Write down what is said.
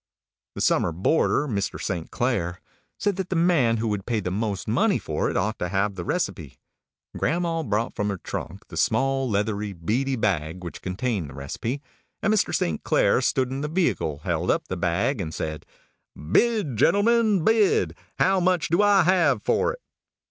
The summer boarder, Mr. St. Clair, said that the man who would pay the most money for it ought to have the recipe. Grandma brought from her trunk the small, leathery, beady bag which contained the recipe, and Mr. St. Clair stood in the vehicle, held up the bag, and said: "Bid! gentlemen, bid! How much do I have for it?"